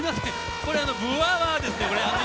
これあの「ブワワー」ですよ。